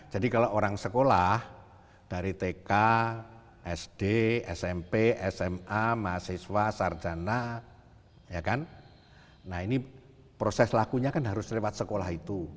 jadi kalau orang sekolah dari tk sd smp sma mahasiswa sarjana proses lakunya harus lewat sekolah itu